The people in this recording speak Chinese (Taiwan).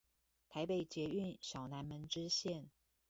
台北捷運小南門支線